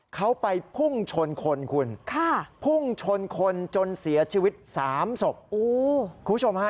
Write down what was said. เขาไปพุ่งชนคนคุณจนเสียชีวิต๓ศพคุณผู้ชมฮะ